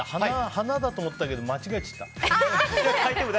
花だと思ったけど間違えちゃった。